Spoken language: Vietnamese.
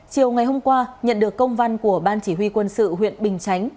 chiều ngày hôm qua nhận được công văn của ban chỉ huy quân sự huyện bình chánh